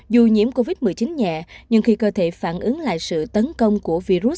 dù nhiễm covid một mươi chín nhẹ nhưng khi cơ thể phản ứng lại sự tấn công của virus corona